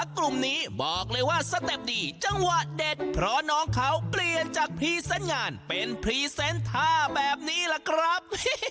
กลุ่มนี้บอกเลยว่าสเต็ปดีจังหวะเด็ดเพราะน้องเขาเปลี่ยนจากพรีเซนต์งานเป็นพรีเซนต์ท่าแบบนี้ล่ะครับ